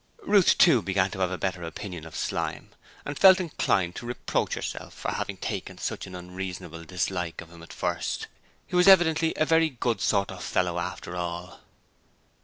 Ruth, too, began to have a better opinion of Slyme, and felt inclined to reproach herself for having taken such an unreasonable dislike of him at first. He was evidently a very good sort of fellow after all.